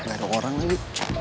gak ada orang lagi